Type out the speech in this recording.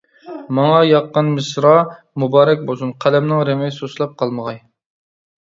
ماڭا ياققان مىسرا. مۇبارەك بولسۇن، قەلەمنىڭ رېڭى سۇسلاپ قالمىغاي.